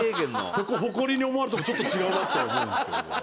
そこ誇りに思われてもちょっと違うなとは思うんですけど。